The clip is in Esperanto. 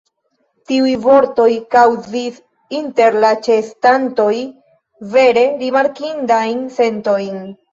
Tiuj vortoj kaŭzis inter la ĉeestantoj vere rimarkindajn sentojn.